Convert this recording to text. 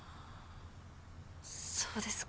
そうですか。